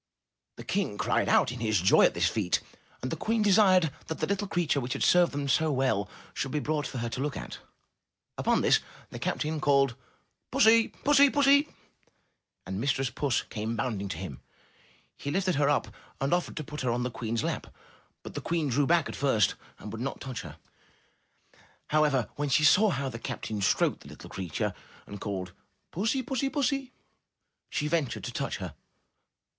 The King cried out in his joy at this feat, and the Queen desired that the little creature which had served them so well, should be brought for her to look at. Upon this, the captain called, *Tussy, pussy, pussy!'' and Mistress Puss came bounding to him. He lifted her up, and offered to put her on the Queen's lap, but the queen drew back at first and would not touch her. However, when she saw how the captain stroked the little creature, and called 'Tussy, pussy, pussy!" she ventured to touch her.